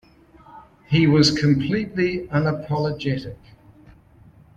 He was completely unapologetic.